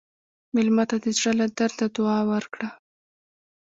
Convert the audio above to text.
مېلمه ته د زړه له درده دعا ورکړه.